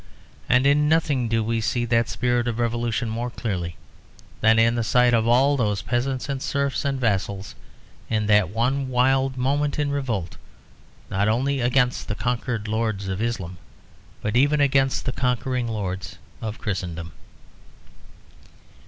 And in nothing do we see that spirit of revolution more clearly than in the sight of all those peasants and serfs and vassals, in that one wild moment in revolt, not only against the conquered lords of Islam, but even against the conquering lords of Christendom.